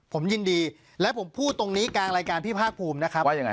ผมยินดีและผมพูดตรงนี้กลางรายการพี่ภาคภูมินะครับว่ายังไง